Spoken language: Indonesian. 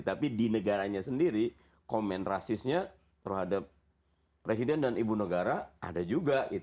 tapi di negaranya sendiri komen rasisnya terhadap presiden dan ibu negara ada juga